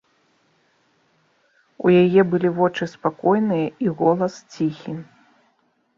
У яе былі вочы спакойныя і голас ціхі.